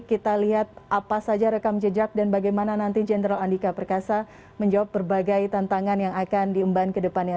kita lihat apa saja rekam jejak dan bagaimana nanti jenderal andika perkasa menjawab berbagai tantangan yang akan diemban ke depannya